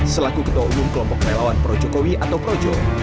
selaku ketua umum kelompok relawan pro jokowi atau projo